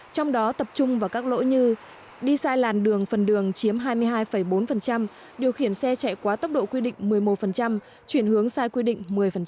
trong đó tập trung vào các lỗi như đi sai làn đường phần đường chiếm hai mươi hai bốn điều khiển xe chạy quá tốc độ quy định một mươi một chuyển hướng sai quy định một mươi